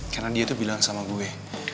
karena dia tuh bilang sama gue